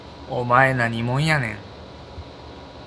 お前何もんやねん